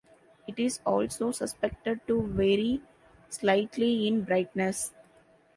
It is also suspected to vary slightly in brightness.